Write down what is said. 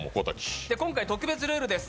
今回、特別ルールです。